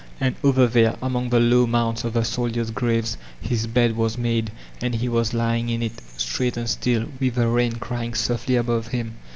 And over there, among the low mounds of the soldiers' graves, his bed was made, and he was lytQC in it, straight and still, with the rain crying softly above him.